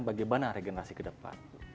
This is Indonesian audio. bagaimana regenerasi ke depan